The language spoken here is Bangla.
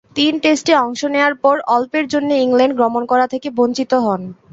তিন টেস্টে অংশ নেয়ার পর অল্পের জন্যে ইংল্যান্ড গমন করা থেকে বঞ্চিত হন।